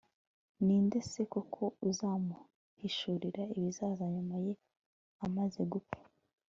ni nde se koko uzamuhishurira ibizaza nyuma ye amaze gupfa